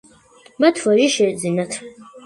მათ ვაჟი შეეძინათ.